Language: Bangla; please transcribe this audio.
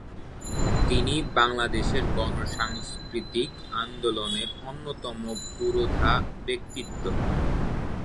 তিনি বাংলাদেশের গণ সাংস্কৃতিক আন্দোলনের অন্যতম পুরোধা ব্যক্তিত্ব।